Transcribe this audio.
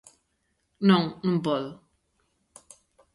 Non, non podo.